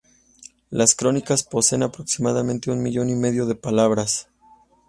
Las "Crónicas" poseen aproximadamente un millón y medio de palabras.